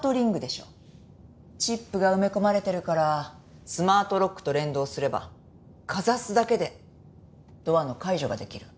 チップが埋め込まれてるからスマートロックと連動すればかざすだけでドアの解錠ができる。